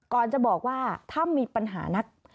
จะบอกว่าถ้ามีปัญหานัก